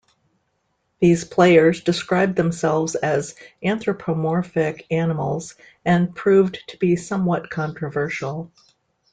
These players "described themselves as anthropomorphic animals", and proved to be "somewhat controversial".